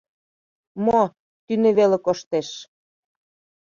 — Мо, тӱнӧ веле коштеш.